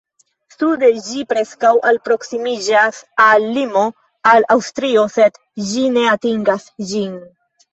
Sude ĝi preskaŭ alproksimiĝas al limo al Aŭstrio, sed ĝi ne atingas ĝin.